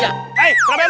eh kenapa ya lu aisun